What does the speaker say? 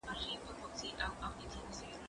زه پرون د ښوونځی لپاره تياری وکړ!.